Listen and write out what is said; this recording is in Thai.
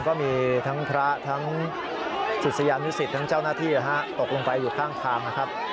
ก็มีทั้งพระทั้งศิษยานุสิตทั้งเจ้าหน้าที่ตกลงไปอยู่ข้างทางนะครับ